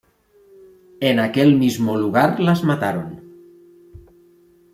En aquel mismo lugar las mataron.